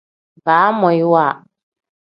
Baamoyiwa.